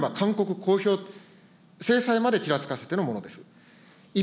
これは、拒めば勧告、公表、制裁までちらつかせてのものです。